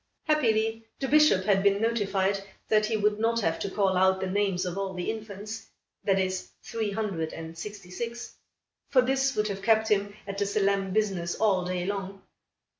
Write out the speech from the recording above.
Happily the Bishop had been notified that he would not have to call out the names of all the infants, that is, three hundred and sixty six; for this would have kept him at the solemn business all day long.